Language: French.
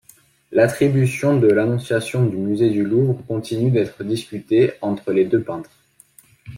L'attribution de l'Annonciation du Musée du Louvre continue d'être discutée entre les deux peintres.